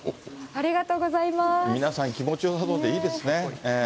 皆さん気持ちよさそうでいいですね。